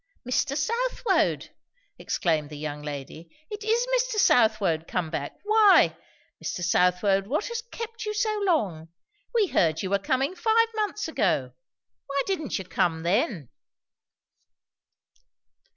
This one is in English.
"Mr. Southwode!" exclaimed the young lady. "It is Mr. Southwode come back. Why, Mr. Southwode, what has kept you so long? We heard you were coming five months ago. Why didn't you come then?"